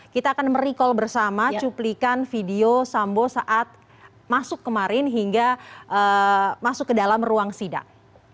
kita akan merecall bersama cuplikan video sambo saat masuk kemarin hingga masuk ke dalam ruang sidang